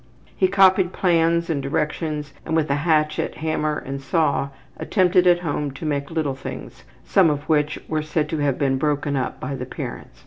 '' He copied plans and directions, and with a hatchet, hammer and saw attempted at home to make little things, some of which were said to have been broken up by the parents.